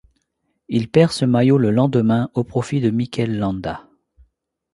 Il perd ce maillot le lendemain au profit de Mikel Landa.